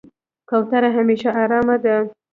کوتره همیشه آرامه ده.